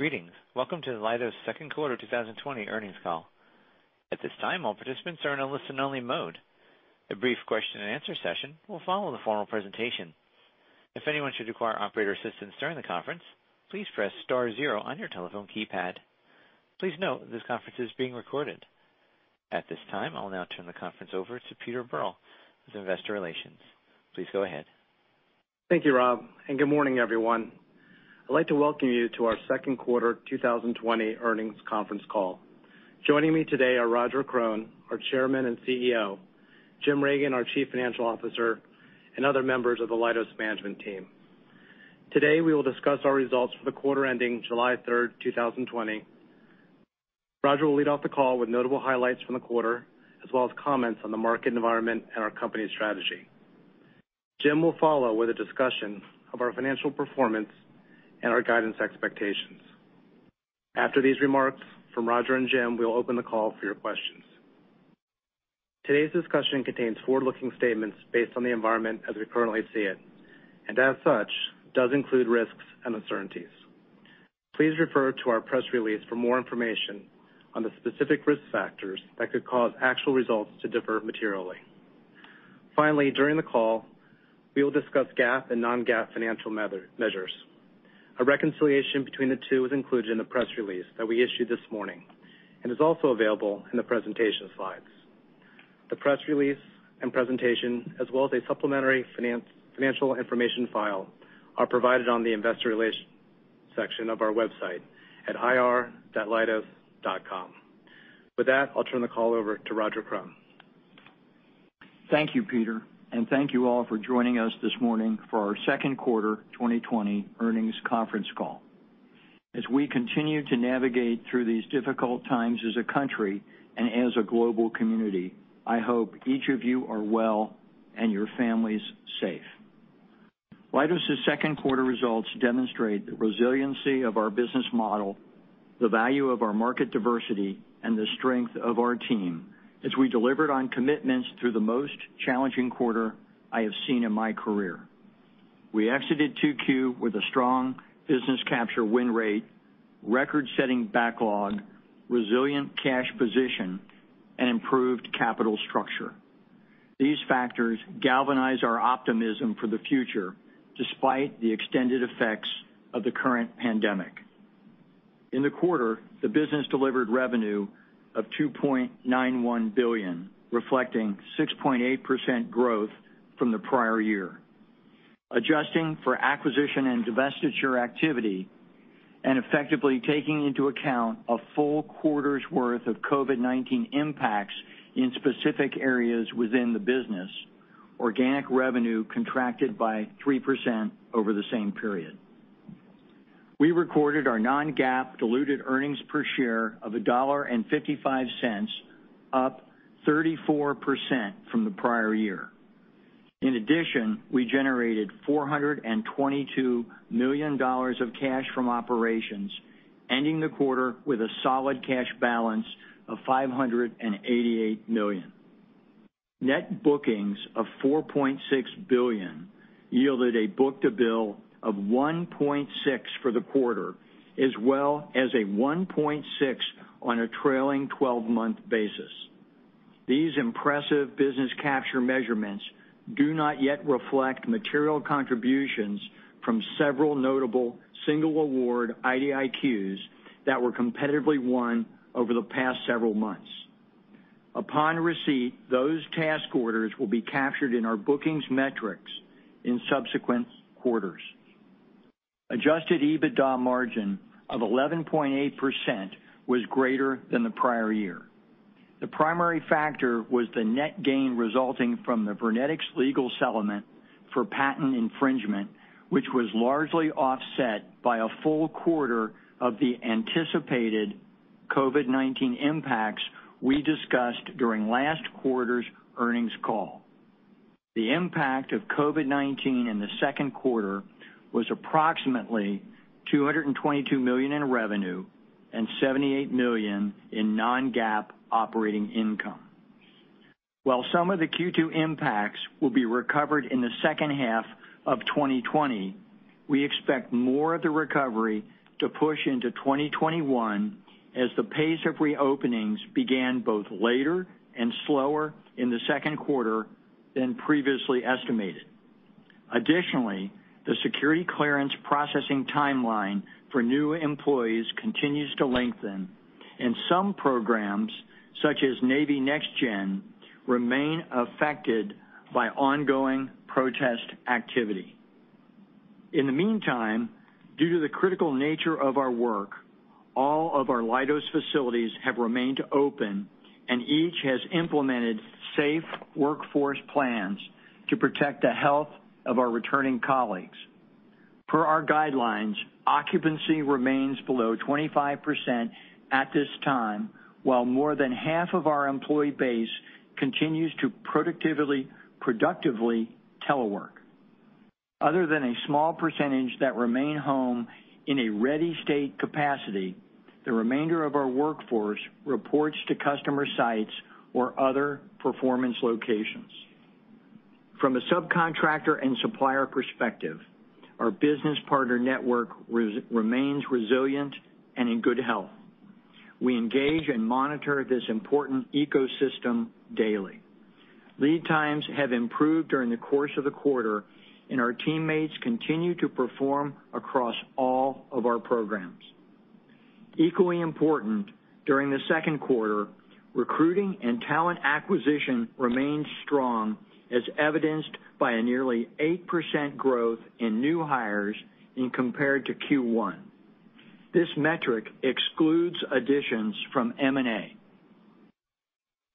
Greetings. Welcome to the Leidos Q2 2020 earnings call. At this time, all participants are in a listen-only mode. A brief question-and-answer session will follow the formal presentation. If anyone should require operator assistance during the conference, please press * zero on your telephone keypad. Please note this conference is being recorded. At this time, I'll now turn the conference over to Peter Berl with investor relations. Please go ahead. Thank you, Rob, and good morning, everyone. I'd like to welcome you to our Q2 2020 earnings conference call. Joining me today are Roger Krone, our Chairman and CEO; Jim Reagan, our Chief Financial Officer; and other members of the Leidos management team. Today, we will discuss our results for the quarter ending July 3, 2020. Roger will lead off the call with notable highlights from the quarter, as well as comments on the market environment and our company strategy. Jim will follow with a discussion of our financial performance and our guidance expectations. After these remarks from Roger and Jim, we'll open the call for your questions. Today's discussion contains forward-looking statements based on the environment as we currently see it, and as such, does include risks and uncertainties. Please refer to our press release for more information on the specific risk factors that could cause actual results to differ materially. Finally, during the call, we will discuss GAAP and non-GAAP financial measures. A reconciliation between the two is included in the press release that we issued this morning and is also available in the presentation slides. The press release and presentation, as well as a supplementary financial information file, are provided on the investor relations section of our website at ir-leidos.com. With that, I'll turn the call over to Roger Krone. Thank you, Peter, and thank you all for joining us this morning for our Q2 2020 earnings conference call. As we continue to navigate through these difficult times as a country and as a global community, I hope each of you are well and your families safe. Leidos' Q2 results demonstrate the resiliency of our business model, the value of our market diversity, and the strength of our team as we delivered on commitments through the most challenging quarter I have seen in my career. We exited the quarter with a strong business capture win rate, record-setting backlog, resilient cash position, and improved capital structure. These factors galvanize our optimism for the future despite the extended effects of the current pandemic. In the quarter, the business delivered revenue of $2.91 billion, reflecting 6.8% growth from the prior year. Adjusting for acquisition and divestiture activity and effectively taking into account a full quarter's worth of COVID-19 impacts in specific areas within the business, organic revenue contracted by 3% over the same period. We recorded our non-GAAP diluted earnings per share of $1.55, up 34% from the prior year. In addition, we generated $422 million of cash from operations, ending the quarter with a solid cash balance of $588 million. Net bookings of $4.6 billion yielded a book-to-bill of 1.6 for the quarter, as well as a 1.6 on a trailing 12-month basis. These impressive business capture measurements do not yet reflect material contributions from several notable single-award IDIQs that were competitively won over the past several months. Upon receipt, those task orders will be captured in our bookings metrics in subsequent quarters. Adjusted EBITDA margin of 11.8% was greater than the prior year. The primary factor was the net gain resulting from the Vernetix legal settlement for patent infringement, which was largely offset by a full quarter of the anticipated COVID-19 impacts we discussed during last quarter's earnings call. The impact of COVID-19 in the Q2 was approximately $222 million in revenue and $78 million in non-GAAP operating income. While some of the Q2 impacts will be recovered in the second half of 2020, we expect more of the recovery to push into 2021 as the pace of reopenings began both later and slower in the Q2 than previously estimated. Additionally, the security clearance processing timeline for new employees continues to lengthen, and some programs, such as Navy Next Generation, remain affected by ongoing protest activity. In the meantime, due to the critical nature of our work, all of our Leidos facilities have remained open, and each has implemented safe workforce plans to protect the health of our returning colleagues. Per our guidelines, occupancy remains below 25% at this time, while more than half of our employee base continues to productively telework. Other than a small percentage that remain home in a ready state capacity, the remainder of our workforce reports to customer sites or other performance locations. From a subcontractor and supplier perspective, our business partner network remains resilient and in good health. We engage and monitor this important ecosystem daily. Lead times have improved during the course of the quarter, and our teammates continue to perform across all of our programs. Equally important during the Q2, recruiting and talent acquisition remained strong, as evidenced by a nearly 8% growth in new hires compared to Q1. This metric excludes additions from M&A.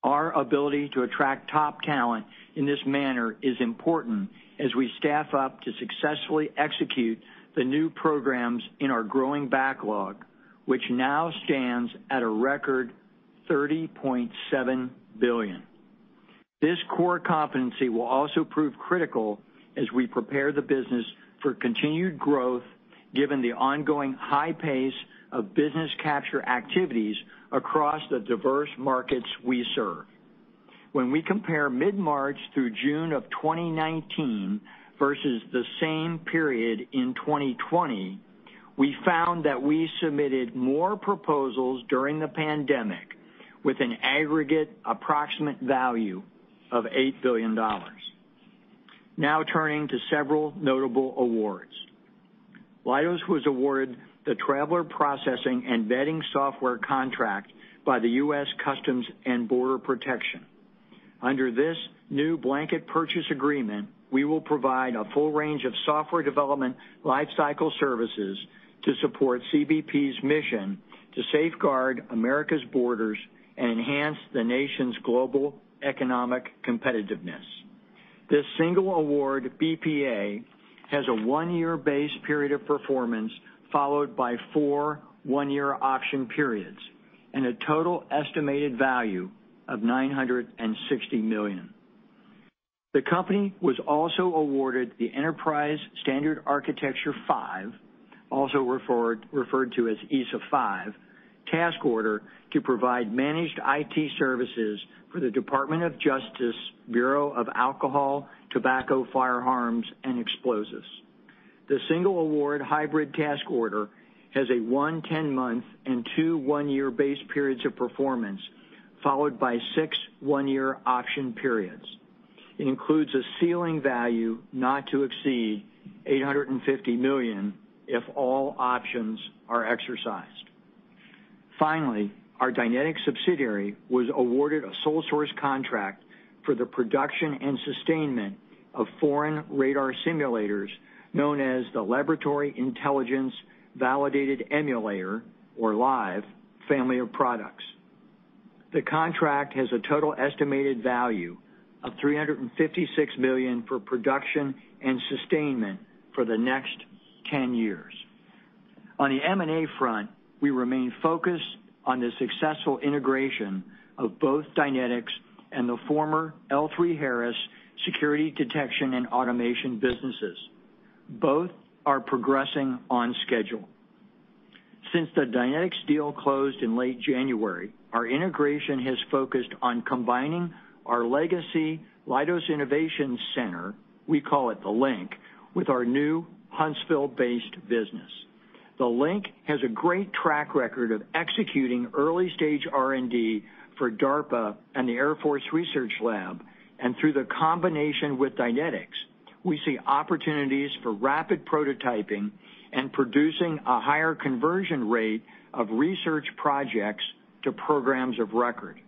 Our ability to attract top talent in this manner is important as we staff up to successfully execute the new programs in our growing backlog, which now stands at a record $30.7 billion. This core competency will also prove critical as we prepare the business for continued growth, given the ongoing high pace of business capture activities across the diverse markets we serve. When we compare mid-March through June of 2019 versus the same period in 2020, we found that we submitted more proposals during the pandemic with an aggregate approximate value of $8 billion. Now turning to several notable awards. Leidos was awarded the Traveler Processing and Vetting Software contract by the U.S. Customs and Border Protection. Under this new blanket purchase agreement, we will provide a full range of software development lifecycle services to support CBP's mission to safeguard America's borders and enhance the nation's global economic competitiveness. This single award BPA has a one-year base period of performance followed by four one-year option periods and a total estimated value of $960 million. The company was also awarded the Enterprise Standard Architecture 5, also referred to as ESA 5, task order to provide managed IT services for the Department of Justice Bureau of Alcohol, Tobacco, Firearms, and Explosives. The single award hybrid task order has one 10-month and two one-year base periods of performance followed by six one-year option periods. It includes a ceiling value not to exceed $850 million if all options are exercised. Finally, our Dynetics subsidiary was awarded a sole source contract for the production and sustainment of foreign radar simulators known as the Laboratory Intelligence Validated Emulator, or LIVE, family of products. The contract has a total estimated value of $356 million for production and sustainment for the next 10 years. On the M&A front, we remain focused on the successful integration of both Dynetics and the former L3Harris security detection and automation businesses. Both are progressing on schedule. Since the Dynetics deal closed in late January, our integration has focused on combining our legacy Leidos Innovation Center—we call it the LINC—with our new Huntsville-based business. The LINC has a great track record of executing early-stage R&D for DARPA and the Air Force Research Lab, and through the combination with Dynetics, we see opportunities for rapid prototyping and producing a higher conversion rate of research projects to programs of record.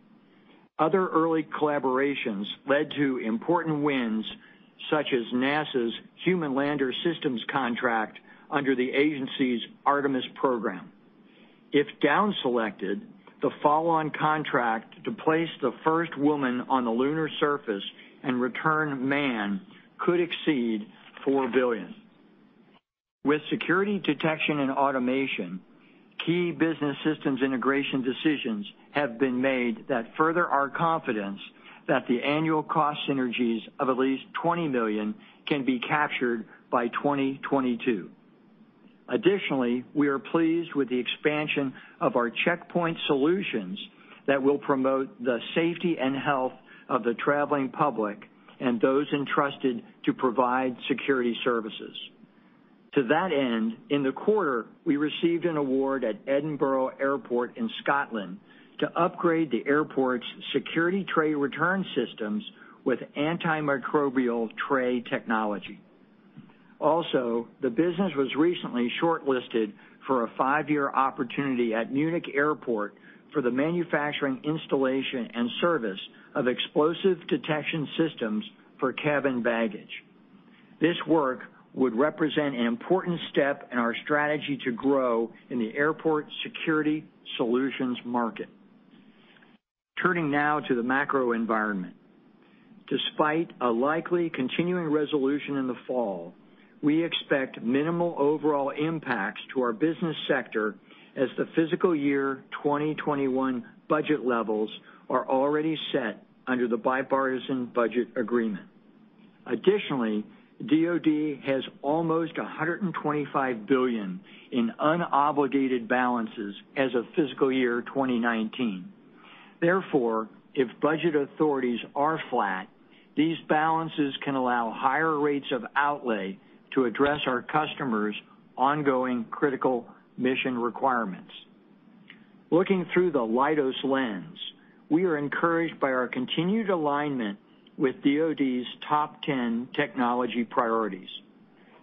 Other early collaborations led to important wins, such as NASA's Human Lander Systems contract under the agency's Artemis program. If downselected, the follow-on contract to place the first woman on the lunar surface and return man could exceed $4 billion. With security detection and automation, key business systems integration decisions have been made that further our confidence that the annual cost synergies of at least $20 million can be captured by 2022. Additionally, we are pleased with the expansion of our checkpoint solutions that will promote the safety and health of the traveling public and those entrusted to provide security services. To that end, in the quarter, we received an award at Edinburgh Airport in Scotland to upgrade the airport's security tray return systems with antimicrobial tray technology. Also, the business was recently shortlisted for a five-year opportunity at Munich Airport for the manufacturing, installation, and service of explosive detection systems for cabin baggage. This work would represent an important step in our strategy to grow in the airport security solutions market. Turning now to the macro environment. Despite a likely continuing resolution in the fall, we expect minimal overall impacts to our business sector as the fiscal year 2021 budget levels are already set under the bipartisan budget agreement. Additionally, DOD has almost $125 billion in unobligated balances as of fiscal year 2019. Therefore, if budget authorities are flat, these balances can allow higher rates of outlay to address our customers' ongoing critical mission requirements. Looking through the Leidos lens, we are encouraged by our continued alignment with DOD's top 10 technology priorities.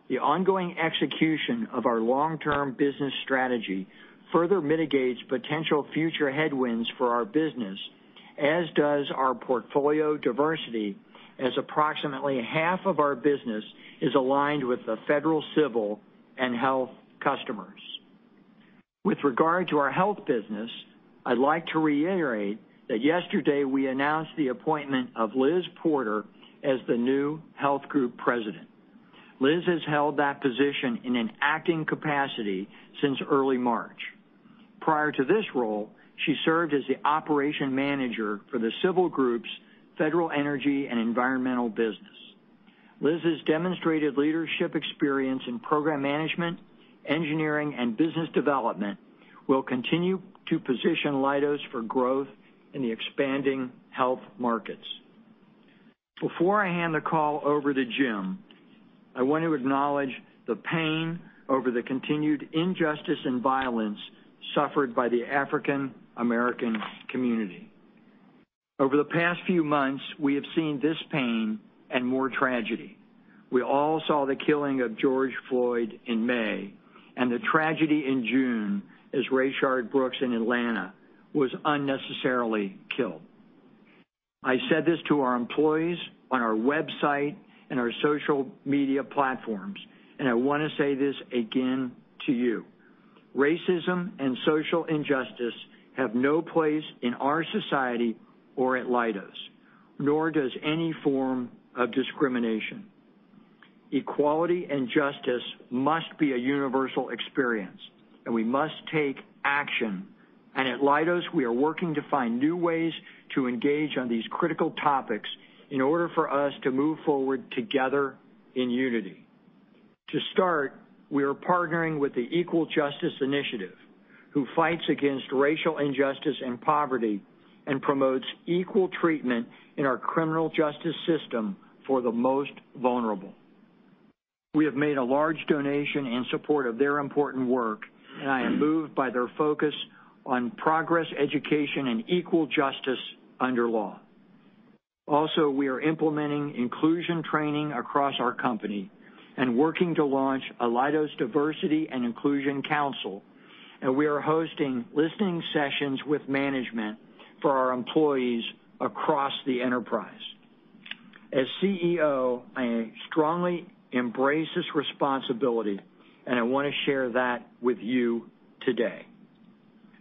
The ongoing execution of our long-term business strategy further mitigates potential future headwinds for our business, as does our portfolio diversity, as approximately half of our business is aligned with the federal, civil, and health customers. With regard to our health business, I'd like to reiterate that yesterday we announced the appointment of Liz Porter as the new Health Group President. Liz has held that position in an acting capacity since early March. Prior to this role, she served as the operation manager for the Civil Group's federal energy and environmental business. Liz's demonstrated leadership experience in program management, engineering, and business development will continue to position Leidos for growth in the expanding health markets. Before I hand the call over to Jim, I want to acknowledge the pain over the continued injustice and violence suffered by the African American community. Over the past few months, we have seen this pain and more tragedy. We all saw the killing of George Floyd in May and the tragedy in June as Rayshard Brooks in Atlanta was unnecessarily killed. I said this to our employees, on our website, and our social media platforms, and I want to say this again to you. Racism and social injustice have no place in our society or at Leidos, nor does any form of discrimination. Equality and justice must be a universal experience, and we must take action. At Leidos, we are working to find new ways to engage on these critical topics in order for us to move forward together in unity. To start, we are partnering with the Equal Justice Initiative, who fights against racial injustice and poverty and promotes equal treatment in our criminal justice system for the most vulnerable. We have made a large donation in support of their important work, and I am moved by their focus on progress, education, and equal justice under law. Also, we are implementing inclusion training across our company and working to launch a Leidos Diversity and Inclusion Council, and we are hosting listening sessions with management for our employees across the enterprise. As CEO, I strongly embrace this responsibility, and I want to share that with you today.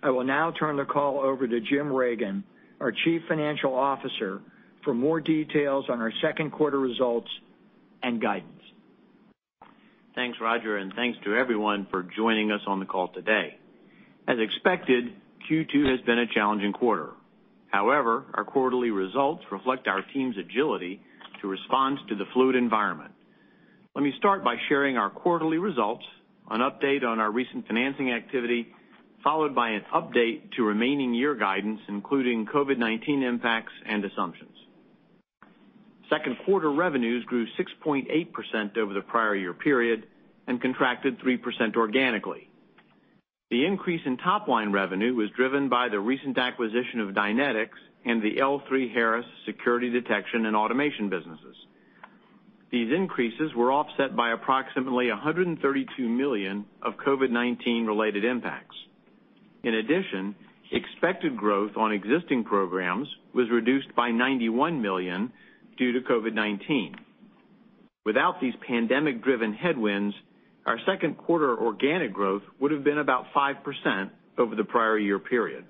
I will now turn the call over to Jim Reagan, our Chief Financial Officer, for more details on our Q2 results and guidance. Thanks, Roger, and thanks to everyone for joining us on the call today. As expected, Q2 has been a challenging quarter. However, our quarterly results reflect our team's agility to respond to the fluid environment. Let me start by sharing our quarterly results, an update on our recent financing activity, followed by an update to remaining year guidance, including COVID-19 impacts and assumptions. Q2 revenues grew 6.8% over the prior year period and contracted 3% organically. The increase in top-line revenue was driven by the recent acquisition of Dynetics and the L3Harris security detection and automation businesses. These increases were offset by approximately $132 million of COVID-19-related impacts. In addition, expected growth on existing programs was reduced by $91 million due to COVID-19. Without these pandemic-driven headwinds, our Q2 organic growth would have been about 5% over the prior year period.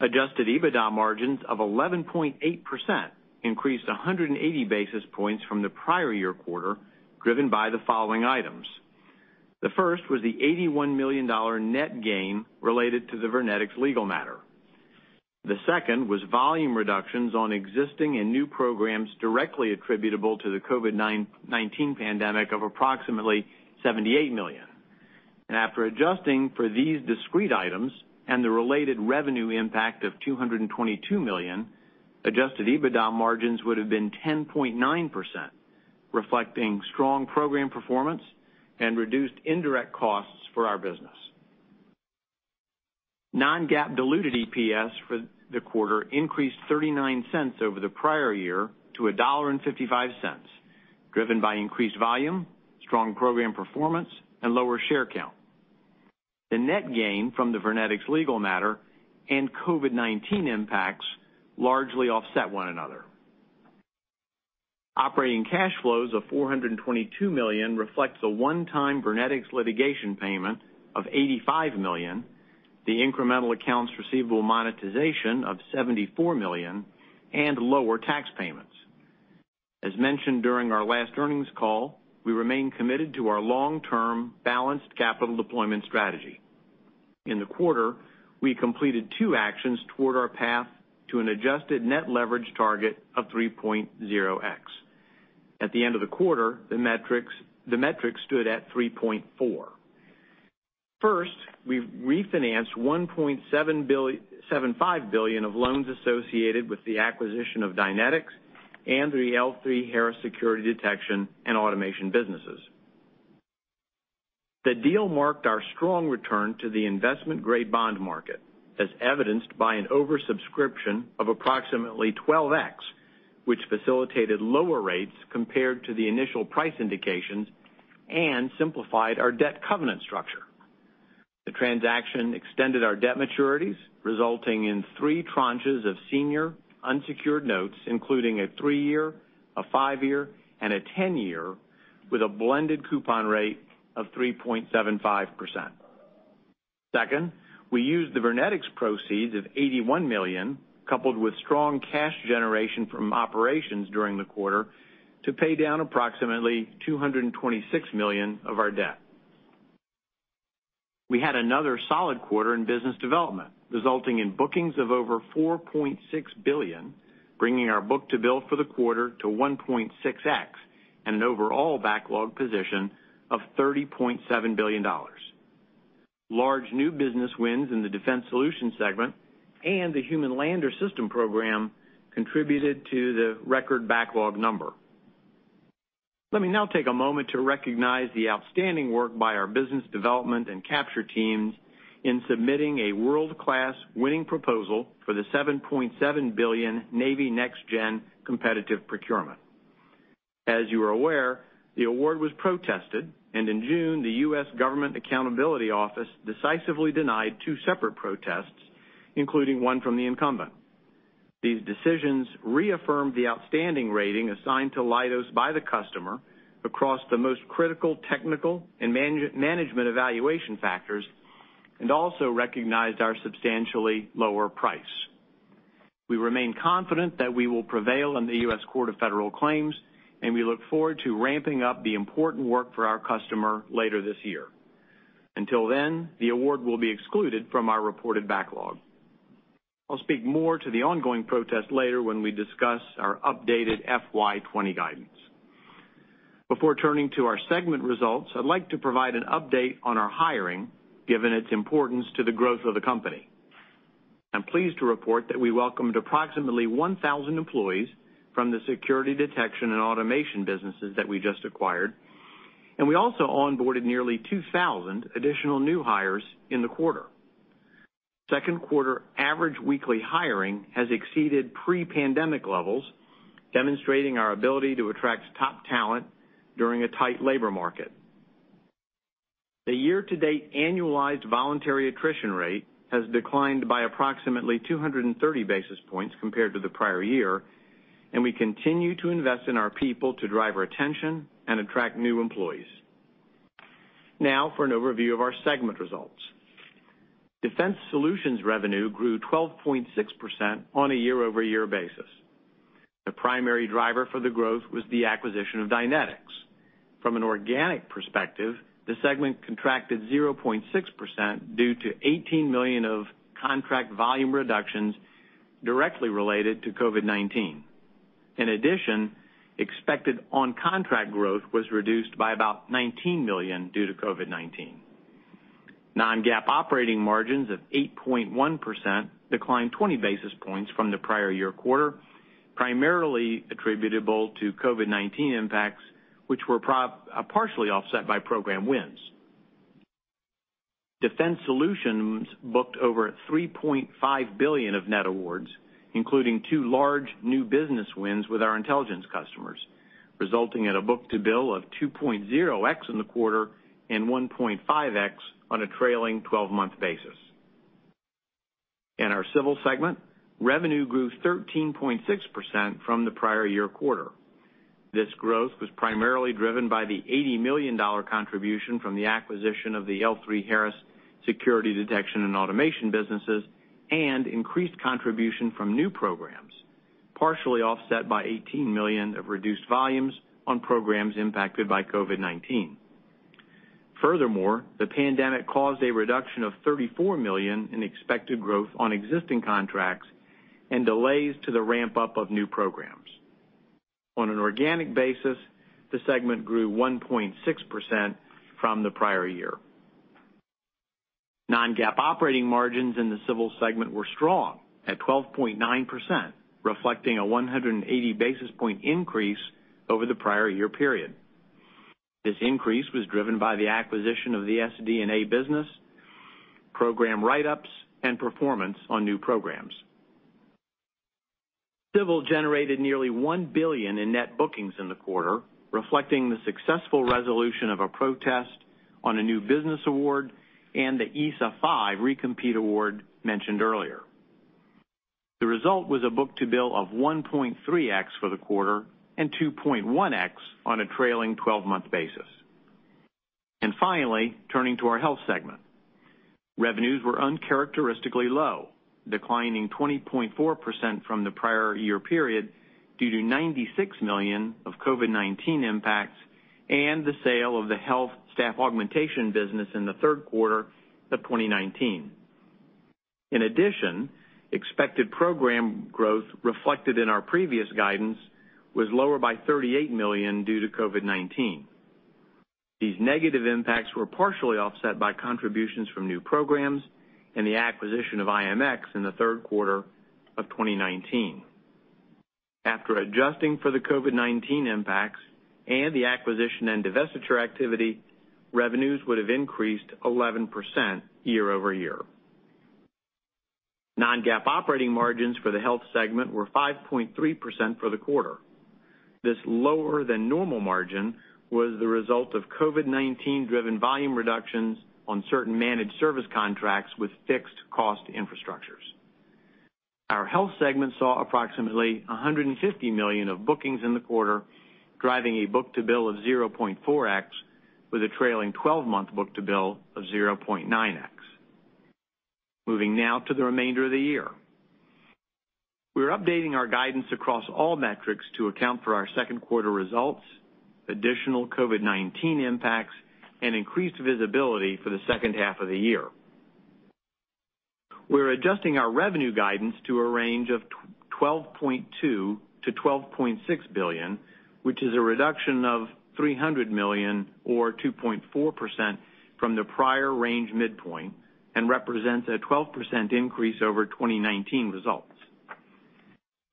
Adjusted EBITDA margins of 11.8% increased 180 basis points from the prior year quarter, driven by the following items. The first was the $81 million net gain related to the Vernetix legal matter. The second was volume reductions on existing and new programs directly attributable to the COVID-19 pandemic of approximately $78 million. After adjusting for these discrete items and the related revenue impact of $222 million, adjusted EBITDA margins would have been 10.9%, reflecting strong program performance and reduced indirect costs for our business. Non-GAAP diluted EPS for the quarter increased $0.39 over the prior year to $1.55, driven by increased volume, strong program performance, and lower share count. The net gain from the Vernetix legal matter and COVID-19 impacts largely offset one another. Operating cash flows of $422 million reflect the one-time Vernetix litigation payment of $85 million, the incremental accounts receivable monetization of $74 million, and lower tax payments. As mentioned during our last earnings call, we remain committed to our long-term balanced capital deployment strategy. In the quarter, we completed two actions toward our path to an adjusted net leverage target of 3.0x. At the end of the quarter, the metrics stood at 3.4. First, we refinanced $1.75 billion of loans associated with the acquisition of Dynetics and the L3Harris security detection and automation businesses. The deal marked our strong return to the investment-grade bond market, as evidenced by an oversubscription of approximately 12x, which facilitated lower rates compared to the initial price indications and simplified our debt covenant structure. The transaction extended our debt maturities, resulting in three tranches of senior unsecured notes, including a three-year, a five-year, and a ten-year, with a blended coupon rate of 3.75%. Second, we used the Vernetix proceeds of $81 million, coupled with strong cash generation from operations during the quarter, to pay down approximately $226 million of our debt. We had another solid quarter in business development, resulting in bookings of over $4.6 billion, bringing our book-to-bill for the quarter to 1.6x and an overall backlog position of $30.7 billion. Large new business wins in the defense solutions segment and the Human Lander Systems program contributed to the record backlog number. Let me now take a moment to recognize the outstanding work by our business development and capture teams in submitting a world-class winning proposal for the $7.7 billion Navy Next Generation competitive procurement. As you are aware, the award was protested, and in June, the U.S. Government Accountability Office decisively denied two separate protests, including one from the incumbent. These decisions reaffirmed the outstanding rating assigned to Leidos by the customer across the most critical technical and management evaluation factors and also recognized our substantially lower price. We remain confident that we will prevail in the U.S. Court of Federal Claims, and we look forward to ramping up the important work for our customer later this year. Until then, the award will be excluded from our reported backlog. I'll speak more to the ongoing protest later when we discuss our updated FY2020 guidance. Before turning to our segment results, I'd like to provide an update on our hiring, given its importance to the growth of the company. I'm pleased to report that we welcomed approximately 1,000 employees from the security detection and automation businesses that we just acquired, and we also onboarded nearly 2,000 additional new hires in the quarter. Q2 average weekly hiring has exceeded pre-pandemic levels, demonstrating our ability to attract top talent during a tight labor market. The year-to-date annualized voluntary attrition rate has declined by approximately 230 basis points compared to the prior year, and we continue to invest in our people to drive retention and attract new employees. Now for an overview of our segment results. Defense solutions revenue grew 12.6% on a year-over-year basis. The primary driver for the growth was the acquisition of Dynetics. From an organic perspective, the segment contracted 0.6% due to $18 million of contract volume reductions directly related to COVID-19. In addition, expected on-contract growth was reduced by about $19 million due to COVID-19. Non-GAAP operating margins of 8.1% declined 20 basis points from the prior year quarter, primarily attributable to COVID-19 impacts, which were partially offset by program wins. Defense solutions booked over $3.5 billion of net awards, including two large new business wins with our intelligence customers, resulting in a book-to-bill of 2.0x in the quarter and 1.5x on a trailing 12-month basis. In our civil segment, revenue grew 13.6% from the prior year quarter. This growth was primarily driven by the $80 million contribution from the acquisition of the L3Harris security detection and automation businesses and increased contribution from new programs, partially offset by $18 million of reduced volumes on programs impacted by COVID-19. Furthermore, the pandemic caused a reduction of $34 million in expected growth on existing contracts and delays to the ramp-up of new programs. On an organic basis, the segment grew 1.6% from the prior year. Non-GAAP operating margins in the civil segment were strong at 12.9%, reflecting a 180 basis point increase over the prior year period. This increase was driven by the acquisition of the SD&A business, program write-ups, and performance on new programs. Civil generated nearly $1 billion in net bookings in the quarter, reflecting the successful resolution of a protest on a new business award and the ESA 5 re-compete award mentioned earlier. The result was a book-to-bill of 1.3x for the quarter and 2.1x on a trailing 12-month basis. Finally, turning to our health segment. Revenues were uncharacteristically low, declining 20.4% from the prior year period due to $96 million of COVID-19 impacts and the sale of the health staff augmentation business in the Q3 of 2019. In addition, expected program growth, reflected in our previous guidance, was lower by $38 million due to COVID-19. These negative impacts were partially offset by contributions from new programs and the acquisition of IMX in the Q3 of 2019. After adjusting for the COVID-19 impacts and the acquisition and divestiture activity, revenues would have increased 11% year-over-year. Non-GAAP operating margins for the health segment were 5.3% for the quarter. This lower-than-normal margin was the result of COVID-19-driven volume reductions on certain managed service contracts with fixed-cost infrastructures. Our health segment saw approximately $150 million of bookings in the quarter, driving a book-to-bill of 0.4x, with a trailing 12-month book-to-bill of 0.9x. Moving now to the remainder of the year. We're updating our guidance across all metrics to account for our Q2 results, additional COVID-19 impacts, and increased visibility for the second half of the year. We're adjusting our revenue guidance to a range of $12.2 billion-$12.6 billion, which is a reduction of $300 million, or 2.4%, from the prior range midpoint and represents a 12% increase over 2019 results.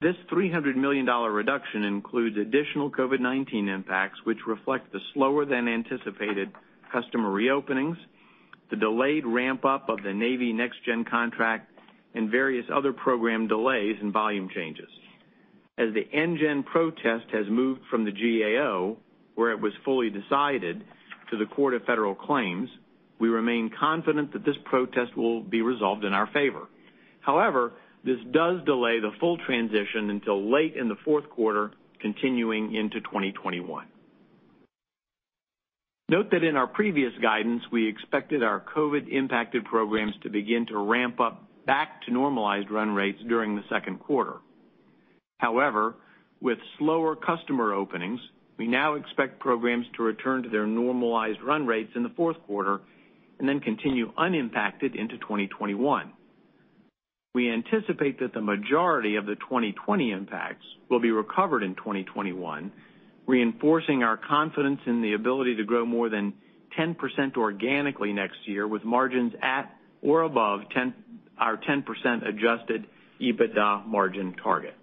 This $300 million reduction includes additional COVID-19 impacts, which reflect the slower-than-anticipated customer reopenings, the delayed ramp-up of the Navy Next Generation contract, and various other program delays and volume changes. As the NGEN protest has moved from the GAO, where it was fully decided, to the Court of Federal Claims, we remain confident that this protest will be resolved in our favor. However, this does delay the full transition until late in the Q4, continuing into 2021. Note that in our previous guidance, we expected our COVID-impacted programs to begin to ramp up back to normalized run rates during the Q2. However, with slower customer openings, we now expect programs to return to their normalized run rates in the Q4 and then continue unimpacted into 2021. We anticipate that the majority of the 2020 impacts will be recovered in 2021, reinforcing our confidence in the ability to grow more than 10% organically next year with margins at or above our 10% adjusted EBITDA margin target.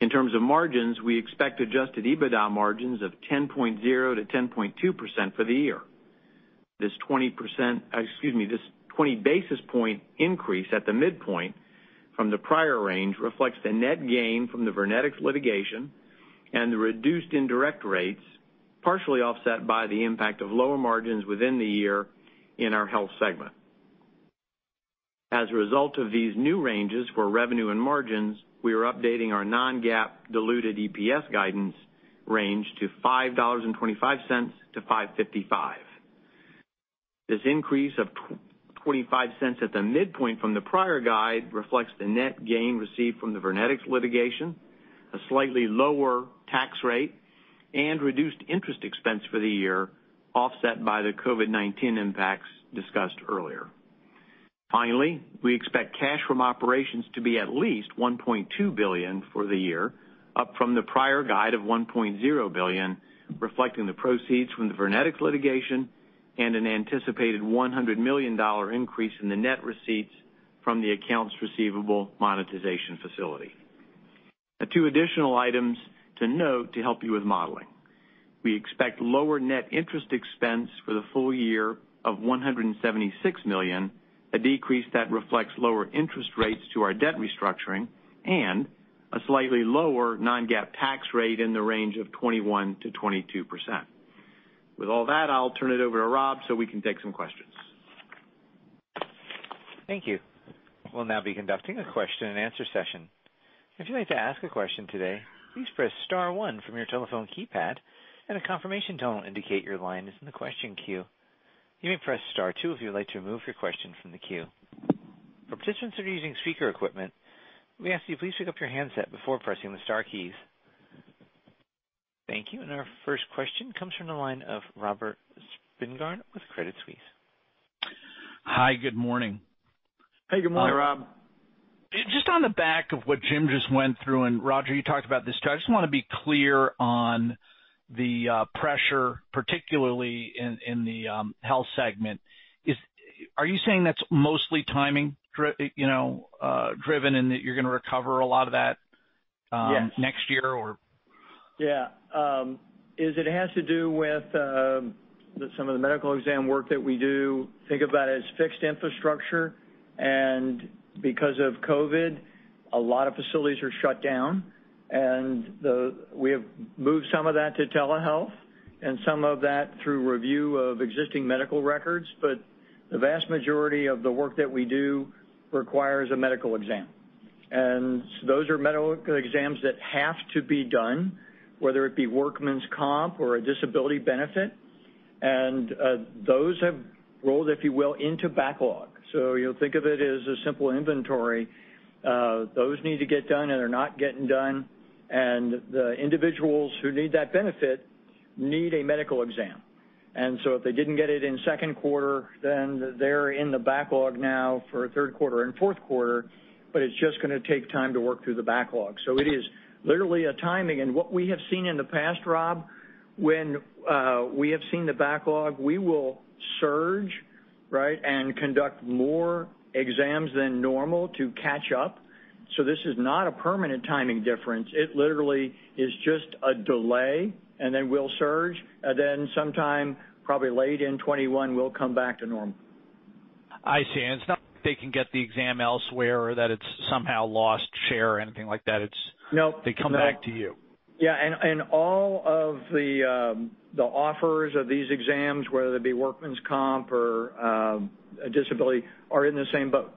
In terms of margins, we expect adjusted EBITDA margins of 10.0-10.2% for the year. This 20 basis point increase at the midpoint from the prior range reflects the net gain from the Vernetix litigation and the reduced indirect rates, partially offset by the impact of lower margins within the year in our health segment. As a result of these new ranges for revenue and margins, we are updating our non-GAAP diluted EPS guidance range to $5.25-$5.55. This increase of $0.25 at the midpoint from the prior guide reflects the net gain received from the Vernetix litigation, a slightly lower tax rate, and reduced interest expense for the year, offset by the COVID-19 impacts discussed earlier. Finally, we expect cash from operations to be at least $1.2 billion for the year, up from the prior guide of $1.0 billion, reflecting the proceeds from the Vernetix litigation and an anticipated $100 million increase in the net receipts from the accounts receivable monetization facility. Now, two additional items to note to help you with modeling. We expect lower net interest expense for the full year of $176 million, a decrease that reflects lower interest rates to our debt restructuring, and a slightly lower non-GAAP tax rate in the range of 21-22%. With all that, I'll turn it over to Rob so we can take some questions. Thank you. We'll now be conducting a question-and-answer session. If you'd like to ask a question today, please press * 1 from your telephone keypad, and a confirmation tone will indicate your line is in the question queue. You may press * 2 if you'd like to remove your question from the queue. For participants that are using speaker equipment, we ask that you please pick up your handset before pressing the Star keys. Thank you. Our first question comes from the line of Robert Spingarn with Credit Suisse. Hi. Good morning. Hey. Good morning. Hi, Rob. Just on the back of what Jim just went through, and Roger, you talked about this too. I just want to be clear on the pressure, particularly in the health segment. Are you saying that's mostly timing-driven and that you're going to recover a lot of that next year? Yeah. It has to do with some of the medical exam work that we do. Think about it as fixed infrastructure, and because of COVID, a lot of facilities are shut down, and we have moved some of that to telehealth and some of that through review of existing medical records. The vast majority of the work that we do requires a medical exam. Those are medical exams that have to be done, whether it be workman's comp or a disability benefit. Those have rolled, if you will, into backlog. You will think of it as a simple inventory. Those need to get done, and they're not getting done. The individuals who need that benefit need a medical exam. If they did not get it in Q2, then they are in the backlog now for Q3 and Q4, but it is just going to take time to work through the backlog. It is literally a timing. What we have seen in the past, Rob, when we have seen the backlog, we will surge, right, and conduct more exams than normal to catch up. This is not a permanent timing difference. It literally is just a delay, and then we will surge. Sometime, probably late in 2021, we will come back to normal. I see. It is not like they can get the exam elsewhere or that it is somehow lost share or anything like that. It is they come back to you. No. Yeah. All of the offers of these exams, whether they be workman's comp or disability, are in the same boat.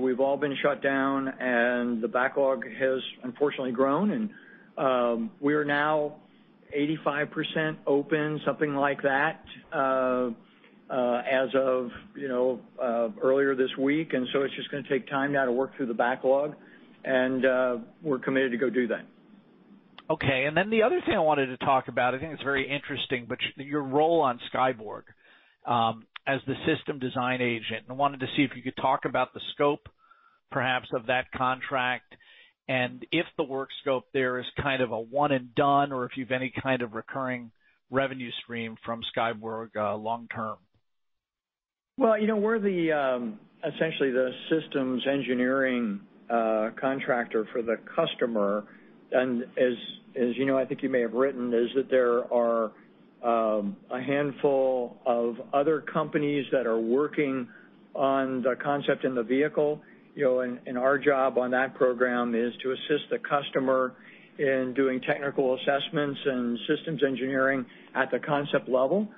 We've all been shut down, and the backlog has, unfortunately, grown. We are now 85% open, something like that, as of earlier this week. It is just going to take time now to work through the backlog, and we're committed to go do that. Okay. The other thing I wanted to talk about, I think it's very interesting, but your role on Skyborg as the system design agent. I wanted to see if you could talk about the scope, perhaps, of that contract and if the work scope there is kind of a one-and-done or if you have any kind of recurring revenue stream from Skyborg long-term. We're essentially the systems engineering contractor for the customer. As you know, I think you may have written, there are a handful of other companies that are working on the concept and the vehicle. Our job on that program is to assist the customer in doing technical assessments and systems engineering at the concept level.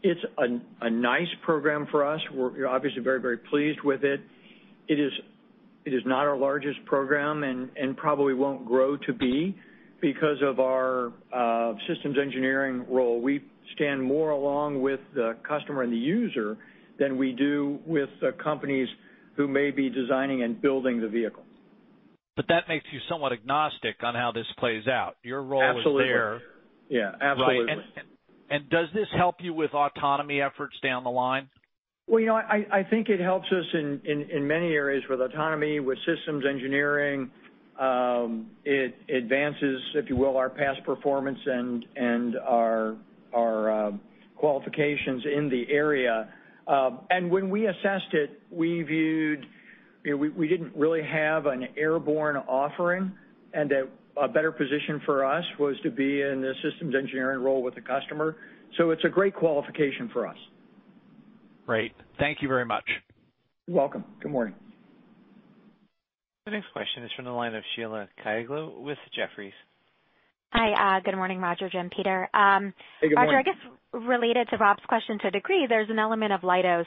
It's a nice program for us. We're obviously very, very pleased with it. It is not our largest program and probably won't grow to be because of our systems engineering role. We stand more along with the customer and the user than we do with the companies who may be designing and building the vehicle. That makes you somewhat agnostic on how this plays out. Your role is there. Absolutely. Yeah. Absolutely. Does this help you with autonomy efforts down the line? I think it helps us in many areas with autonomy, with systems engineering. It advances, if you will, our past performance and our qualifications in the area. And when we assessed it, we viewed we didn't really have an airborne offering, and a better position for us was to be in the systems engineering role with the customer. So it's a great qualification for us. Great. Thank you very much. You're welcome. Good morning. The next question is from the line of Sheila Kahyaoglu with Jefferies. Hi. Good morning, Roger, Jim, Peter. Hey. Good morning. Roger, I guess related to Rob's question to a degree, there's an element of Leidos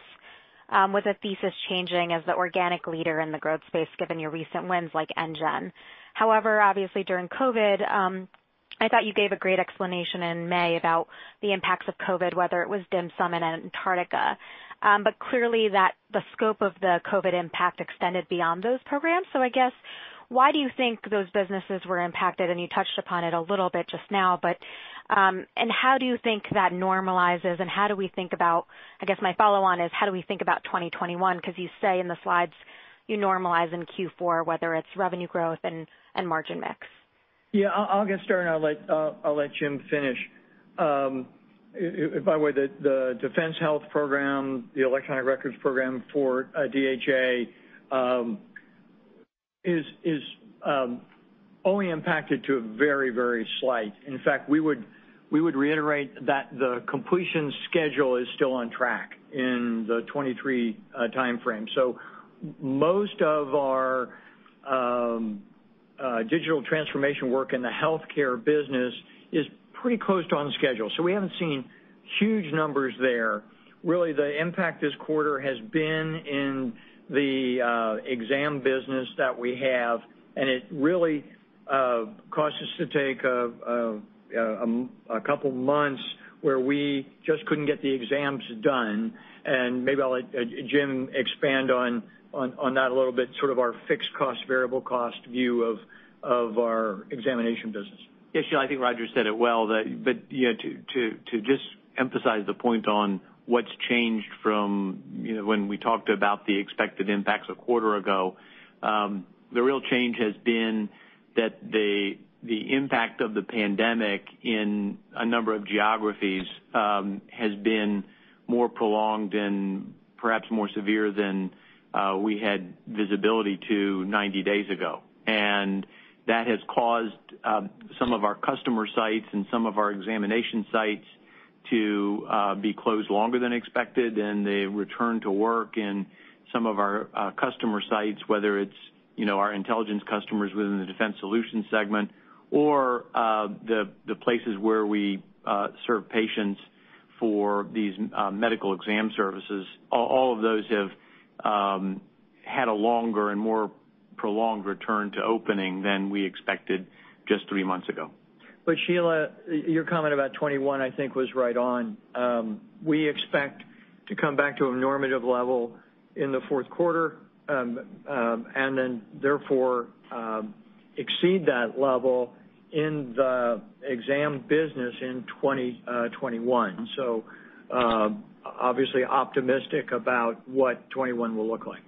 with a thesis changing as the organic leader in the growth space given your recent wins like NGEN. However, obviously, during COVID, I thought you gave a great explanation in May about the impacts of COVID, whether it was Dim Sum and Antarctica. Clearly, the scope of the COVID impact extended beyond those programs. I guess, why do you think those businesses were impacted? You touched upon it a little bit just now, but how do you think that normalizes, and how do we think about, I guess my follow-on is, how do we think about 2021? You say in the slides you normalize in Q4, whether it's revenue growth and margin mix. Yeah. I'll get started, and I'll let Jim finish. By the way, the defense health program, the electronic records program for DHA is only impacted to a very, very slight. In fact, we would reiterate that the completion schedule is still on track in the 2023 timeframe. Most of our digital transformation work in the healthcare business is pretty close to on schedule. We haven't seen huge numbers there. Really, the impact this quarter has been in the exam business that we have, and it really caused us to take a couple of months where we just couldn't get the exams done. Maybe I'll let Jim expand on that a little bit, sort of our fixed cost, variable cost view of our examination business. Yeah. Sheila, I think Roger said it well, but to just emphasize the point on what's changed from when we talked about the expected impacts a quarter ago, the real change has been that the impact of the pandemic in a number of geographies has been more prolonged and perhaps more severe than we had visibility to 90 days ago. That has caused some of our customer sites and some of our examination sites to be closed longer than expected, and they returned to work. Some of our customer sites, whether it's our intelligence customers within the defense solution segment or the places where we serve patients for these medical exam services, all of those have had a longer and more prolonged return to opening than we expected just three months ago. Sheila, your comment about 2021, I think, was right on. We expect to come back to a normative level in the Q4 and then, therefore, exceed that level in the exam business in 2021. Obviously optimistic about what 2021 will look like.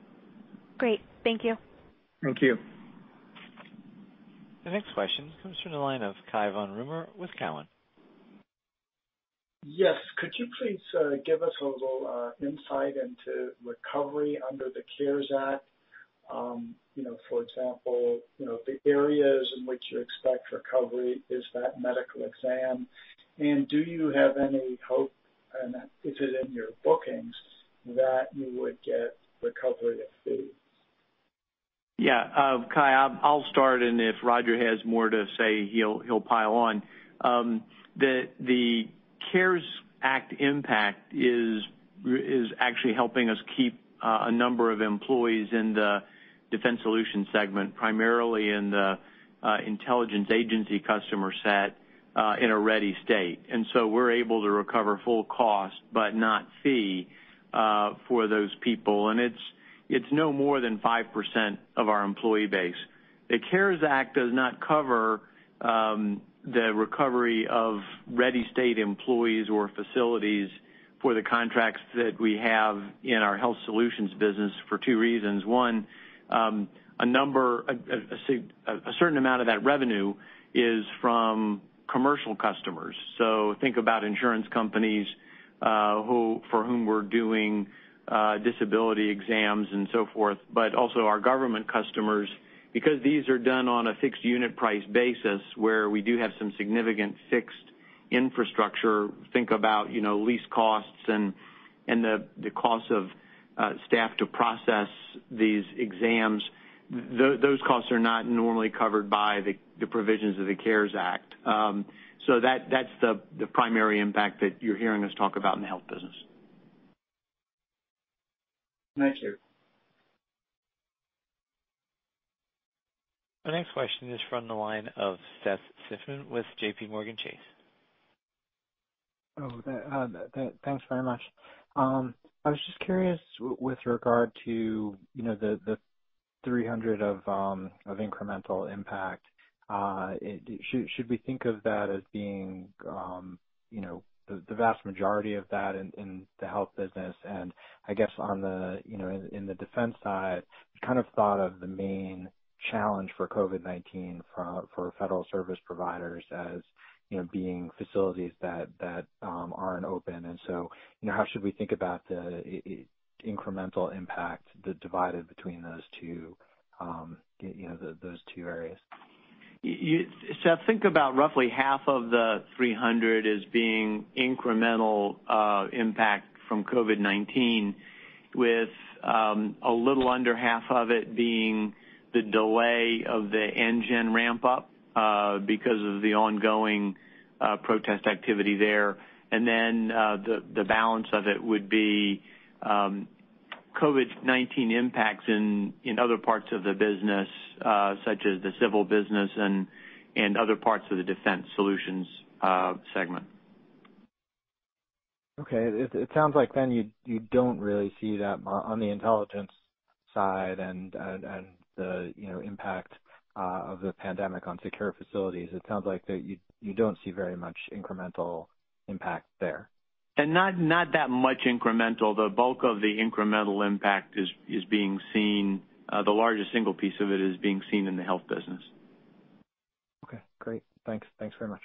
Great. Thank you. Thank you. The next question comes from the line of Kai von Rumer with TD Cowen. Yes. Could you please give us a little insight into recovery under the CARES Act? For example, the areas in which you expect recovery, is that medical exam? And do you have any hope, and is it in your bookings, that you would get recovery of fees? Yeah. Kai, I'll start, and if Roger has more to say, he'll pile on. The CARES Act impact is actually helping us keep a number of employees in the defense solution segment, primarily in the intelligence agency customer set, in a ready state. We are able to recover full cost but not fee for those people. It is no more than 5% of our employee base. The CARES Act does not cover the recovery of ready state employees or facilities for the contracts that we have in our health solutions business for two reasons. One, a certain amount of that revenue is from commercial customers. Think about insurance companies for whom we are doing disability exams and so forth, but also our government customers, because these are done on a fixed unit price basis where we do have some significant fixed infrastructure. Think about lease costs and the cost of staff to process these exams. Those costs are not normally covered by the provisions of the CARES Act. That is the primary impact that you're hearing us talk about in the health business. Thank you. The next question is from the line of Seth Seifman with JPMorgan. Oh, thanks very much. I was just curious with regard to the 300 of incremental impact. Should we think of that as being the vast majority of that in the health business? I guess on the defense side, we kind of thought of the main challenge for COVID-19 for federal service providers as being facilities that aren't open. How should we think about the incremental impact divided between those two areas? Seth, think about roughly half of the 300 as being incremental impact from COVID-19, with a little under half of it being the delay of the NGEN ramp-up because of the ongoing protest activity there. The balance of it would be COVID-19 impacts in other parts of the business, such as the civil business and other parts of the defense solutions segment. Okay. It sounds like then you don't really see that on the intelligence side and the impact of the pandemic on secure facilities. It sounds like that you don't see very much incremental impact there. Not that much incremental. The bulk of the incremental impact is being seen. The largest single piece of it is being seen in the health business. Okay. Great. Thanks. Thanks very much.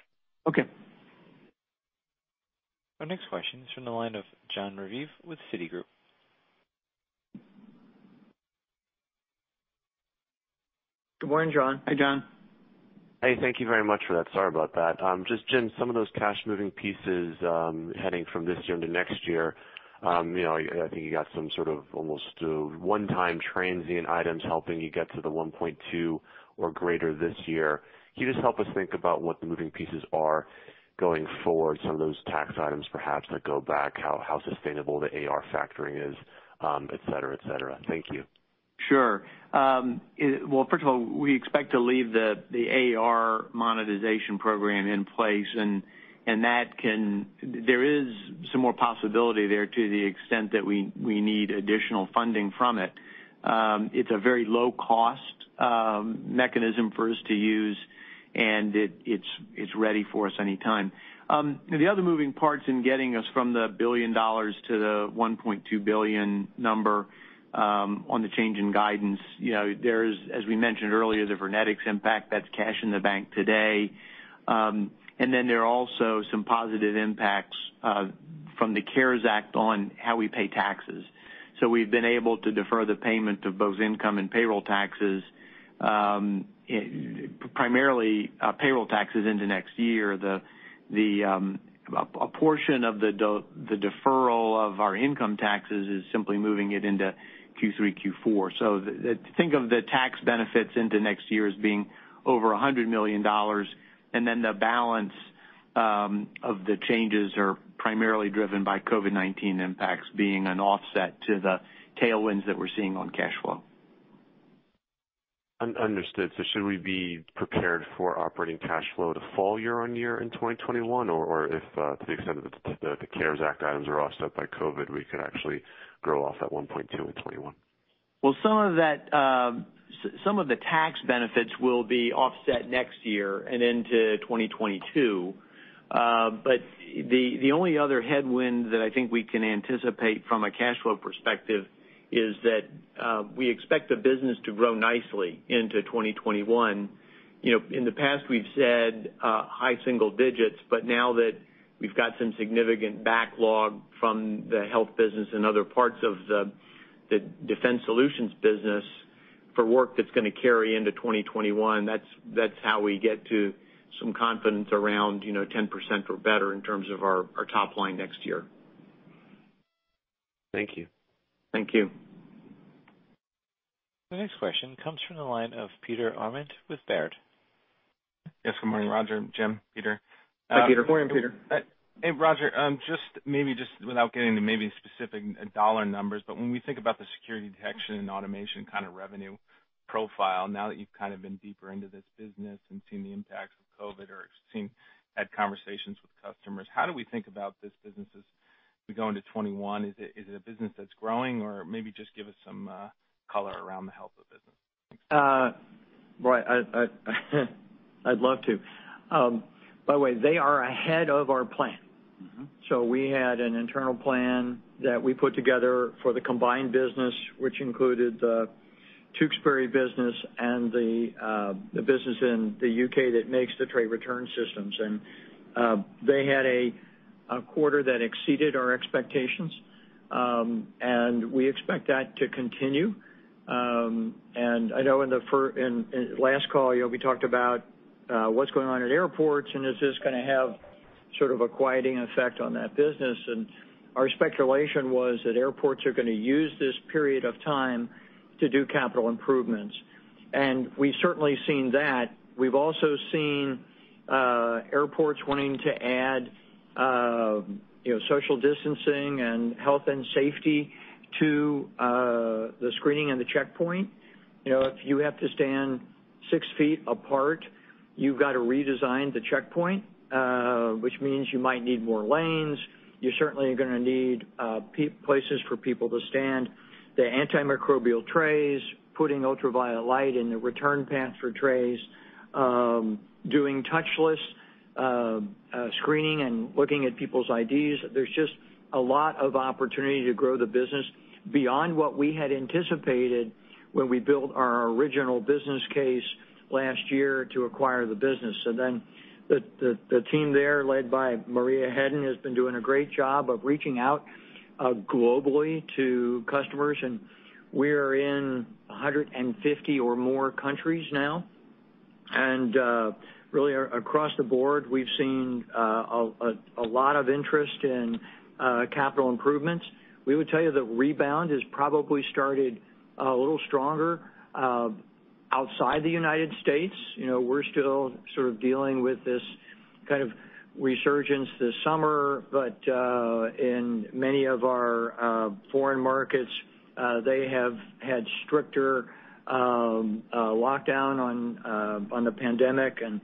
Okay. Our next question is from the line of John Revive with Citigroup. Good morning, John. Hi, John. Hey. Thank you very much for that. Sorry about that. Just, Jim, some of those cash moving pieces heading from this year into next year, I think you got some sort of almost one-time transient items helping you get to the $1.2 billion or greater this year. Can you just help us think about what the moving pieces are going forward, some of those tax items perhaps that go back, how sustainable the AR factoring is, etc., etc.? Thank you. Sure. First of all, we expect to leave the AR monetization program in place, and there is some more possibility there to the extent that we need additional funding from it. It is a very low-cost mechanism for us to use, and it is ready for us anytime. The other moving parts in getting us from the $1 billion to the $1.2 billion number on the change in guidance, there is, as we mentioned earlier, the Dynetics impact. That is cash in the bank today. There are also some positive impacts from the CARES Act on how we pay taxes. We have been able to defer the payment of both income and payroll taxes, primarily payroll taxes into next year. A portion of the deferral of our income taxes is simply moving it into Q3, Q4. Think of the tax benefits into next year as being over $100 million, and then the balance of the changes are primarily driven by COVID-19 impacts being an offset to the tailwinds that we're seeing on cash flow. Understood. Should we be prepared for operating cash flow to fall year on year in 2021? If, to the extent that the CARES Act items are offset by COVID, we could actually grow off that $1.2 billion in 2021? Some of the tax benefits will be offset next year and into 2022. The only other headwind that I think we can anticipate from a cash flow perspective is that we expect the business to grow nicely into 2021. In the past, we've said high single digits, but now that we've got some significant backlog from the health business and other parts of the defense solutions business for work that's going to carry into 2021, that's how we get to some confidence around 10% or better in terms of our top line next year. Thank you. Thank you. The next question comes from the line of Peter Arment with Baird. Yes. Good morning, Roger. Jim, Peter. Hi, Peter. Good morning, Peter. Hey, Roger. Just maybe just without getting into maybe specific dollar numbers, but when we think about the security detection and automation kind of revenue profile, now that you've kind of been deeper into this business and seen the impacts of COVID or had conversations with customers, how do we think about this business as we go into 2021? Is it a business that's growing? Or maybe just give us some color around the health of the business? Boy, I'd love to. By the way, they are ahead of our plan. We had an internal plan that we put together for the combined business, which included the Tewkesbury business and the business in the U.K. that makes the tray return systems. They had a quarter that exceeded our expectations, and we expect that to continue. I know in the last call, we talked about what's going on at airports and if this is going to have sort of a quieting effect on that business. Our speculation was that airports are going to use this period of time to do capital improvements. We've certainly seen that. We've also seen airports wanting to add social distancing and health and safety to the screening and the checkpoint. If you have to stand six feet apart, you've got to redesign the checkpoint, which means you might need more lanes. You're certainly going to need places for people to stand, the antimicrobial trays, putting ultraviolet light in the return path for trays, doing touchless screening and looking at people's IDs. There's just a lot of opportunity to grow the business beyond what we had anticipated when we built our original business case last year to acquire the business. The team there, led by Maria Heden, has been doing a great job of reaching out globally to customers. We are in 150 or more countries now. Really, across the board, we've seen a lot of interest in capital improvements. We would tell you that rebound has probably started a little stronger outside the United States. We're still sort of dealing with this kind of resurgence this summer, but in many of our foreign markets, they have had stricter lockdown on the pandemic, and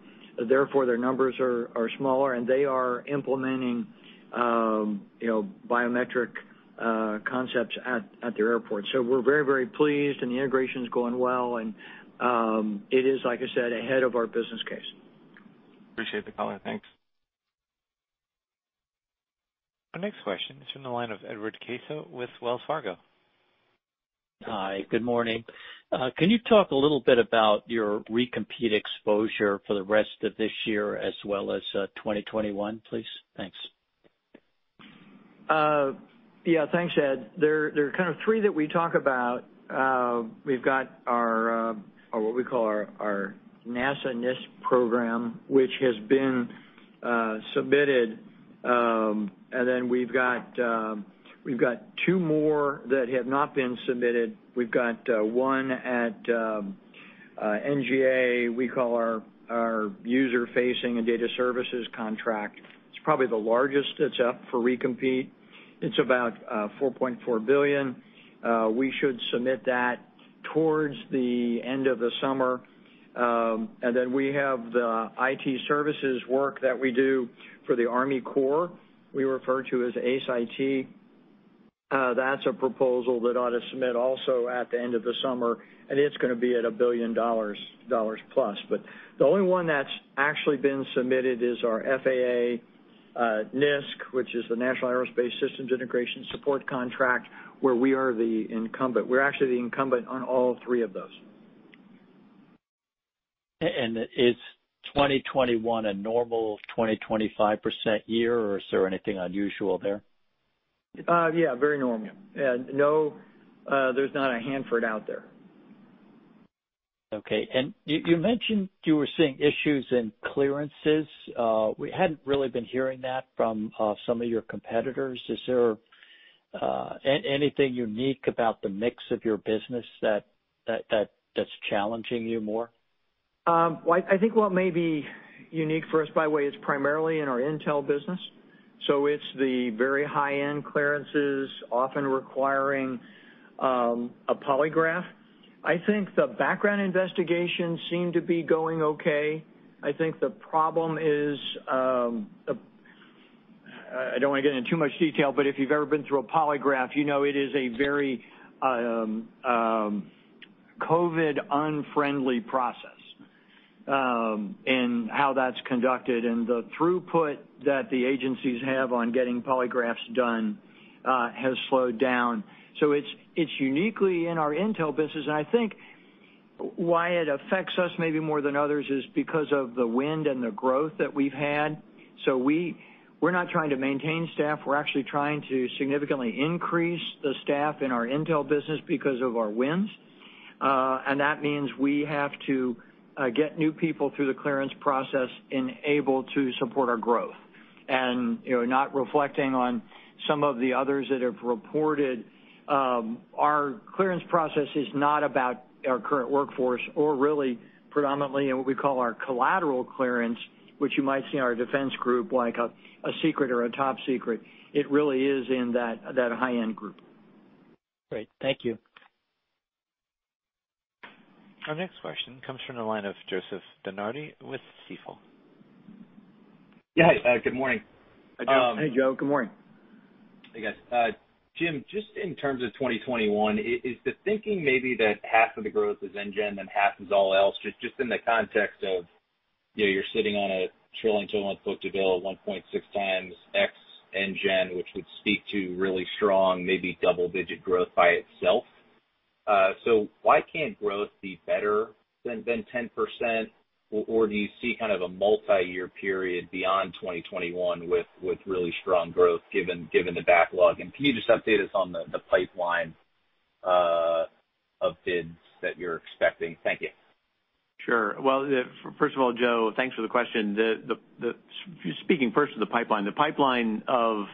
therefore their numbers are smaller. They are implementing biometric concepts at their airports. We're very, very pleased, and the integration is going well. It is, like I said, ahead of our business case. Appreciate the call. Thanks. The next question is from the line of Edward Case with Wells Fargo. Hi. Good morning. Can you talk a little bit about your recompete exposure for the rest of this year as well as 2021, please? Thanks. Yeah. Thanks, Ed. There are kind of three that we talk about. We've got our what we call our NASA NIST program, which has been submitted. We have two more that have not been submitted. We've got one at NGA, we call our user-facing and data services contract. It's probably the largest that's up for recompete. It's about $4.4 billion. We should submit that towards the end of the summer. We have the IT services work that we do for the Army Corps, we refer to as ACE IT. That's a proposal that ought to submit also at the end of the summer. It's going to be at $1 billion plus. The only one that's actually been submitted is our FAA NISC, which is the National Aerospace Systems Integration Support Contract, where we are the incumbent. We're actually the incumbent on all three of those. Is 2021 a normal 20-25% year, or is there anything unusual there? Yeah. Very normal. There's not a Hanford out there. You mentioned you were seeing issues in clearances. We hadn't really been hearing that from some of your competitors. Is there anything unique about the mix of your business that's challenging you more? I think what may be unique for us, by the way, is primarily in our intel business. It is the very high-end clearances, often requiring a polygraph. I think the background investigations seem to be going okay. I think the problem is I do not want to get into too much detail, but if you have ever been through a polygraph, you know it is a very COVID-unfriendly process in how that is conducted. The throughput that the agencies have on getting polygraphs done has slowed down. It is uniquely in our intel business. I think why it affects us maybe more than others is because of the wind and the growth that we have had. We are not trying to maintain staff. We are actually trying to significantly increase the staff in our intel business because of our winds. That means we have to get new people through the clearance process and able to support our growth. Not reflecting on some of the others that have reported, our clearance process is not about our current workforce or really predominantly in what we call our collateral clearance, which you might see in our defense group like a secret or a top secret. It really is in that high-end group. Great. Thank you. Our next question comes from the line of Joseph Denardi with Jefferies. Yeah. Good morning. Hi, Joe. Good morning. Hey, guys. Jim, just in terms of 2021, is the thinking maybe that half of the growth is NGEN and half is all else? Just in the context of you're sitting on a trillion-till month book to bill 1.6 times X NGEN, which would speak to really strong, maybe double-digit growth by itself. Why can't growth be better than 10%? Do you see kind of a multi-year period beyond 2021 with really strong growth given the backlog? Can you just update us on the pipeline of bids that you're expecting? Thank you. Sure. First of all, Joe, thanks for the question. Speaking first of the pipeline, the pipeline of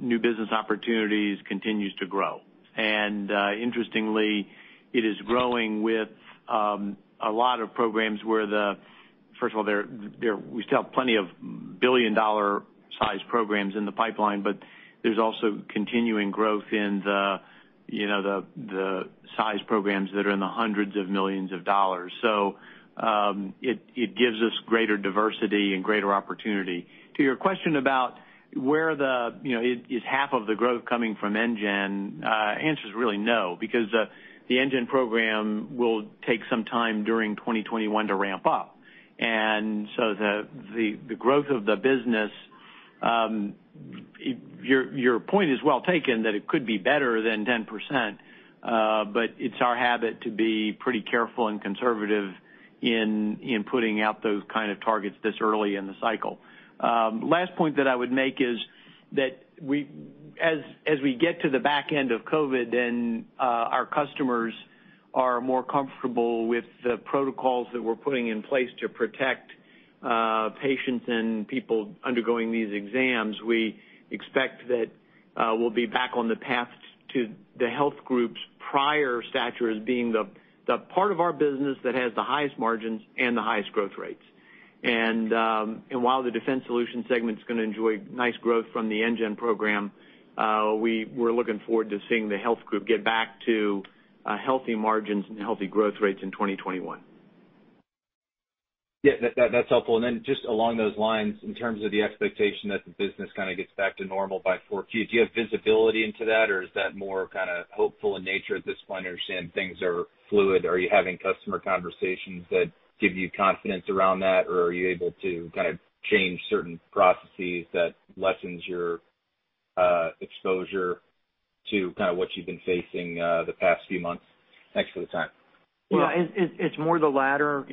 new business opportunities continues to grow. Interestingly, it is growing with a lot of programs where, first of all, we still have plenty of billion-dollar-sized programs in the pipeline, but there is also continuing growth in the size programs that are in the hundreds of millions of dollars. It gives us greater diversity and greater opportunity. To your question about where the is half of the growth coming from NGEN, the answer is really no because the NGEN program will take some time during 2021 to ramp up. The growth of the business, your point is well taken that it could be better than 10%, but it is our habit to be pretty careful and conservative in putting out those kind of targets this early in the cycle. Last point that I would make is that as we get to the back end of COVID and our customers are more comfortable with the protocols that we're putting in place to protect patients and people undergoing these exams, we expect that we'll be back on the path to the health group's prior stature as being the part of our business that has the highest margins and the highest growth rates. While the defense solutions segment is going to enjoy nice growth from the NGEN program, we're looking forward to seeing the health group get back to healthy margins and healthy growth rates in 2021. Yeah. That's helpful. Then just along those lines, in terms of the expectation that the business kind of gets back to normal by Q4, do you have visibility into that, or is that more kind of hopeful in nature at this point? I understand things are fluid. Are you having customer conversations that give you confidence around that, or are you able to kind of change certain processes that lessen your exposure to kind of what you've been facing the past few months? Thanks for the time. Yeah. It's more the latter.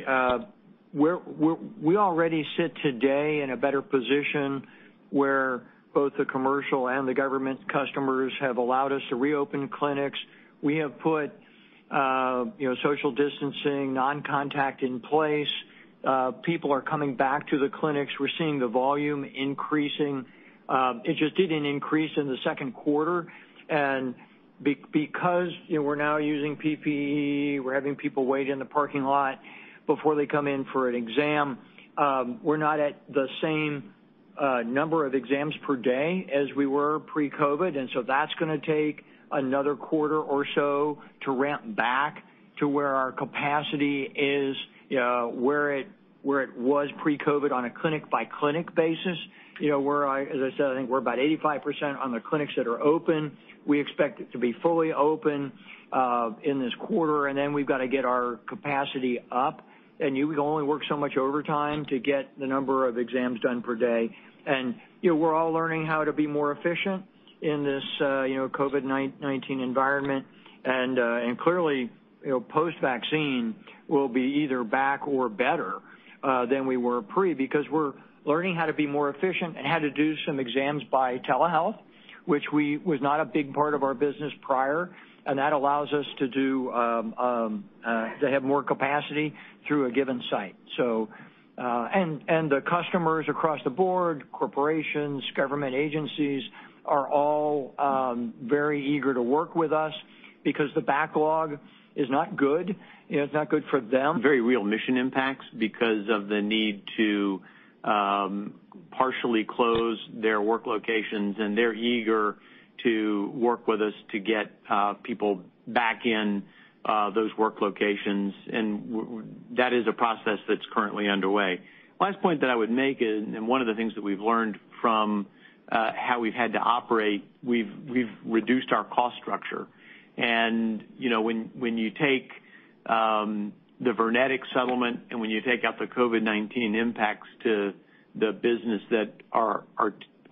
We already sit today in a better position where both the commercial and the government customers have allowed us to reopen clinics. We have put social distancing, non-contact in place. People are coming back to the clinics. We're seeing the volume increasing. It just did not increase in the Q2. Because we're now using PPE, we're having people wait in the parking lot before they come in for an exam. We're not at the same number of exams per day as we were pre-COVID. That is going to take another quarter or so to ramp back to where our capacity is, where it was pre-COVID on a clinic-by-clinic basis. As I said, I think we're about 85% on the clinics that are open. We expect it to be fully open in this quarter. Then we've got to get our capacity up. You can only work so much overtime to get the number of exams done per day. We are all learning how to be more efficient in this COVID-19 environment. Clearly, post-vaccine will be either back or better than we were pre because we are learning how to be more efficient and how to do some exams by telehealth, which was not a big part of our business prior. That allows us to have more capacity through a given site. The customers across the board, corporations, government agencies, are all very eager to work with us because the backlog is not good. It is not good for them. Very real mission impacts because of the need to partially close their work locations. They are eager to work with us to get people back in those work locations. That is a process that is currently underway. Last point that I would make is one of the things that we have learned from how we have had to operate, we have reduced our cost structure. When you take the Vernetix settlement and when you take out the COVID-19 impacts to the business that are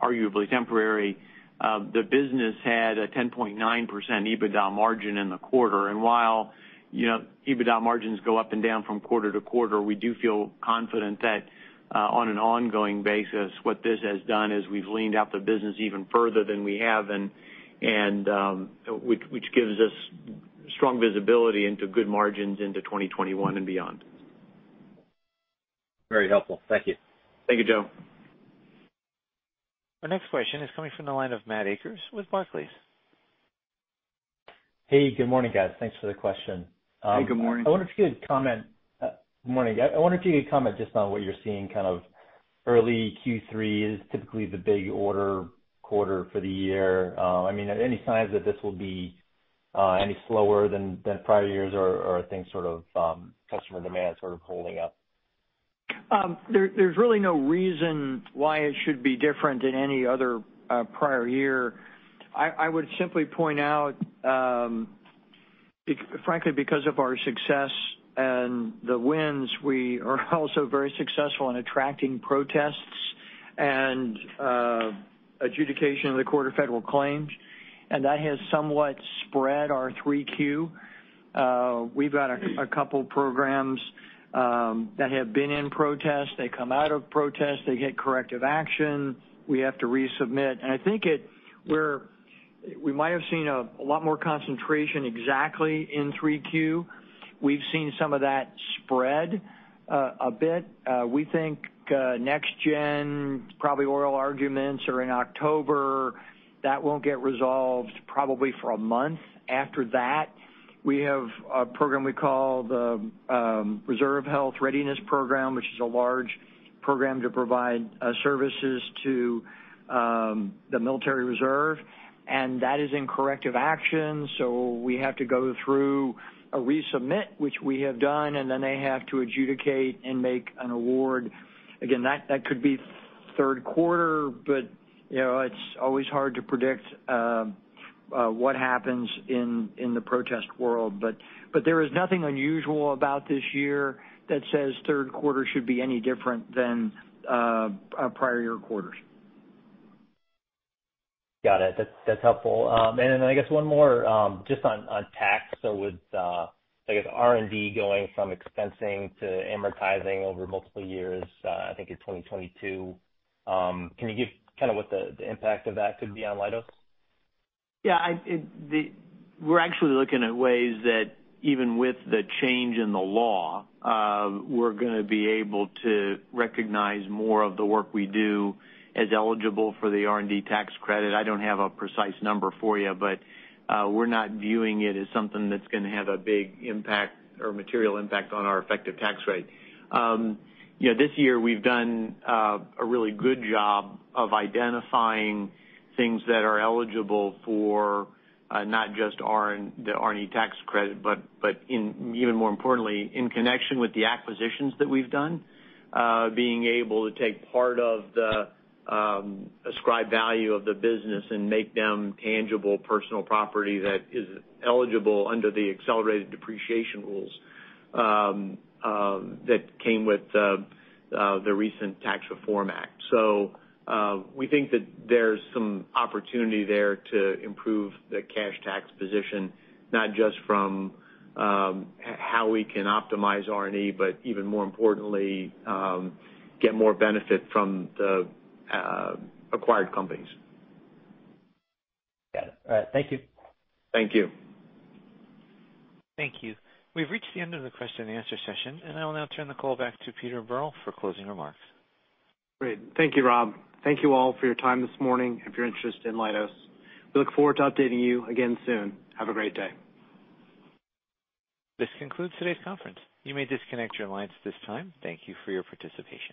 arguably temporary, the business had a 10.9% EBITDA margin in the quarter. While EBITDA margins go up and down from quarter to quarter, we do feel confident that on an ongoing basis, what this has done is we have leaned out the business even further than we have, which gives us strong visibility into good margins into 2021 and beyond. Very helpful. Thank you. Thank you, Joe. Our next question is coming from the line of Matt Akers with Barclays. Hey. Good morning, guys. Thanks for the question. Hey. Good morning. I wonder if you could comment. Good morning. I wonder if you could comment just on what you're seeing kind of early Q3. Is typically the big order quarter for the year. I mean, are there any signs that this will be any slower than prior years, or are things sort of customer demand sort of holding up? There's really no reason why it should be different than any other prior year. I would simply point out, frankly, because of our success and the wins, we are also very successful in attracting protests and adjudication of the quarter federal claims. That has somewhat spread our 3Q. We've got a couple of programs that have been in protest. They come out of protest. They get corrective action. We have to resubmit. I think we might have seen a lot more concentration exactly in 3Q. We've seen some of that spread a bit. We think next gen, probably oral arguments are in October. That won't get resolved probably for a month after that. We have a program we call the Reserve Health Readiness Program, which is a large program to provide services to the military reserve. That is in corrective action. We have to go through a resubmit, which we have done. Then they have to adjudicate and make an award. That could be Q3, but it's always hard to predict what happens in the protest world. There is nothing unusual about this year that says Q3 should be any different than prior year quarters. Got it. That's helpful. I guess one more, just on tax. With, I guess, R&D going from expensing to amortizing over multiple years, I think in 2022, can you give kind of what the impact of that could be on Leidos? Yeah. We're actually looking at ways that even with the change in the law, we're going to be able to recognize more of the work we do as eligible for the R&D tax credit. I don't have a precise number for you, but we're not viewing it as something that's going to have a big impact or material impact on our effective tax rate. This year, we've done a really good job of identifying things that are eligible for not just the R&D tax credit, but even more importantly, in connection with the acquisitions that we've done, being able to take part of the ascribed value of the business and make them tangible personal property that is eligible under the accelerated depreciation rules that came with the recent Tax Reform Act. We think that there's some opportunity there to improve the cash tax position, not just from how we can optimize R&D, but even more importantly, get more benefit from the acquired companies. Got it. All right. Thank you. Thank you. Thank you. We've reached the end of the question-and-answer session. I will now turn the call back to Peter Berl for closing remarks. Great. Thank you, Rob. Thank you all for your time this morning. If you're interested in Leidos, we look forward to updating you again soon. Have a great day. This concludes today's conference. You may disconnect your lines at this time. Thank you for your participation.